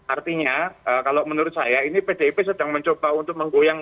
artinya kalau menurut saya ini pdip sedang mencoba untuk menggoyang